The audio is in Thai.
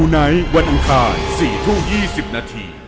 ๑๐นาที